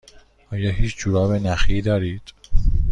آیا هیچ جوراب نخی دارید؟